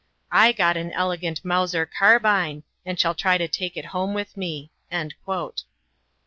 I got an elegant Mauser carbine, and shall try to take it home with me."